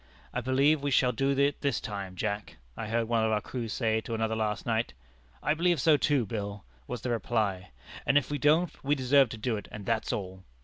'I believe we shall do it this time, Jack,' I heard one of our crew say to another last night. 'I believe so too, Bill,' was the reply; 'and if we don't, we deserve to do it, and that's all.'